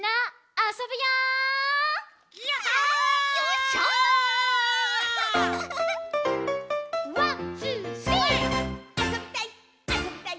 あそびたい！」